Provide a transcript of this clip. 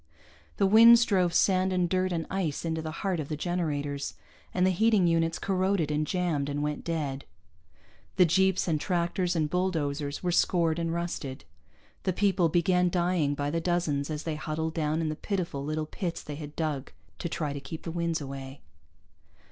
The winds drove sand and dirt and ice into the heart of the generators, and the heating units corroded and jammed and went dead. The jeeps and tractors and bulldozers were scored and rusted. The people began dying by the dozens as they huddled down in the pitiful little pits they had dug to try to keep the winds away.